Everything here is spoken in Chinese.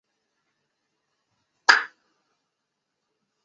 下表详列了一级方程式车队布拉汉姆完整的世界锦标赛大奖赛成绩。